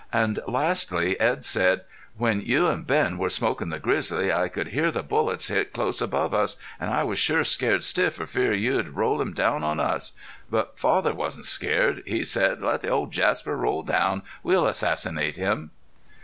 And lastly Edd said: "When you an' Ben were smokin' the grizzly I could hear the bullets hit close above us, an' I was sure scared stiff for fear you'd roll him down on us. But father wasn't scared. He said, 'let the old Jasper roll down! We'll assassinate him!'"